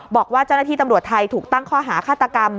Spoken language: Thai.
บอกว่าเจ้าหน้าที่ตำรวจไทยถูกตั้งข้อหาฆาตกรรม